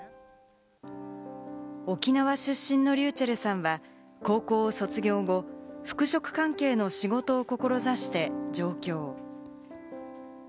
沖縄出身のｒｙｕｃｈｅｌｌさんは高校を卒業後、服飾関係の仕事を志して上京。